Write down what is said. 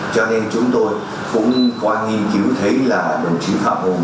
cho nên chúng tôi cũng coi nghiên cứu thấy là đồng chí phạm hùng